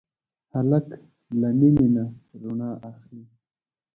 هلک له مینې نه رڼا اخلي.